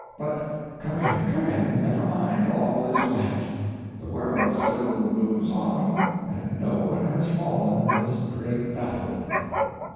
But come in, come in, never mind, all is right the world still moves on, and no one has fallen in this great battle."